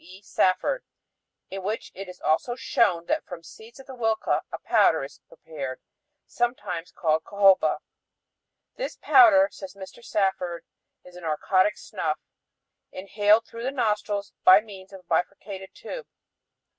E. Safford in which it is also shown that from seeds of the huilca a powder is prepared, sometimes called cohoba. This powder, says Mr. Safford, is a narcotic snuff "inhaled through the nostrils by means of a bifurcated tube."